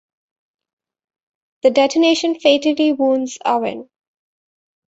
The detonation fatally wounds Owen.